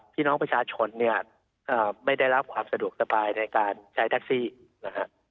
พี่น้องประชาชนเนี่ยไม่ได้รับความสะดวกสบายในการใช้แท็กซี่นะครับ